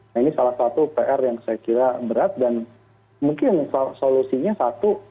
nah ini salah satu pr yang saya kira berat dan mungkin solusinya satu